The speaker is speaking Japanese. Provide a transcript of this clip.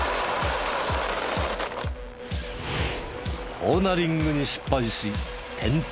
コーナリングに失敗し転倒。